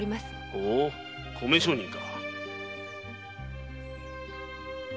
ほう米商人か。